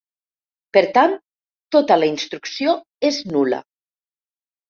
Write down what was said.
Per tant, tota la instrucció és nul·la.